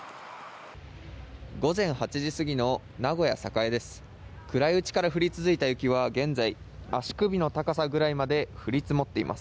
午前８時過ぎの名古屋・栄です。